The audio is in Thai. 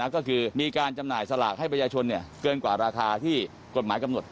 ก็คือมีการจำหน่ายสลากให้ประชาชนเกินกว่าราคาที่กฎหมายกำหนด